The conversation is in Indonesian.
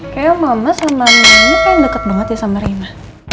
kayak mama sama rena ini kayak deket banget ya sama rena